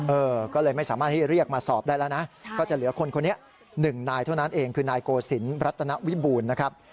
เออก็เลยไม่สามารถที่เรียกมาสอบได้แล้วนะก็จะเหลือคนคนนี้หนึ่งนายเท่านั้นเองคือนายโกศิลปรัตนวิบูรณ์นะครับ